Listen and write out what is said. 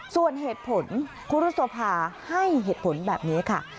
ส่วนเหตุผลครูรุษภาให้เหตุผลแบบนี้ค่ะ